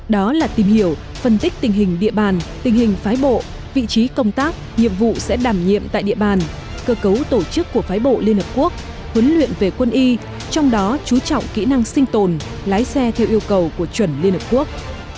đó là tìm hiểu phân tích tình hình địa bàn tình hình phái bộ vị trí công tác nhiệm vụ sẽ đảm nhiệm tại địa bàn cơ cấu tổ chức của phái bộ liên hợp quốc huấn luyện về quân y trong đó chú trọng kỹ năng sinh tồn lái xe theo yêu cầu của chuẩn liên hợp quốc